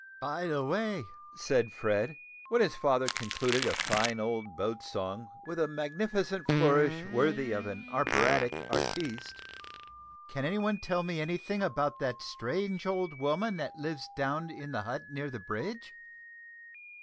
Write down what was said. "By the way," said Fred, when his father concluded a fine old boat song with a magnificent flourish worthy of an operatic artiste, "can any one tell me any thing about the strange old woman that lives down in the hut near the bridge?"